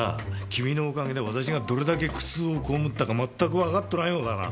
君のおかげで私がどれだけ苦痛をこうむったかまったくわかっとらんようだな。